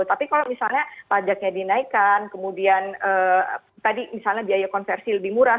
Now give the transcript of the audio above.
tapi kalau misalnya pajaknya dinaikkan kemudian tadi misalnya biaya konversi lebih murah